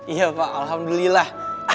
iya pak alhamdulillah